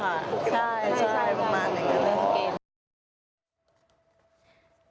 ใช่ใช่ใช่ประมาณนั้นคือเล่นเกม